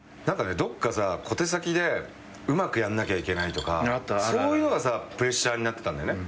どっかさ小手先でうまくやんなきゃいけないとかそういうのがさプレッシャーになってたんだよね。